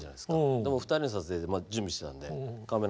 でも２人の撮影で準備してたんでカメラ。